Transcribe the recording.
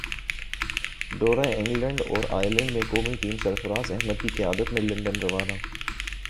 دورہ انگلینڈ اور ائرلینڈ قومی ٹیم سرفرازاحمد کی قیادت میں لندن روانہ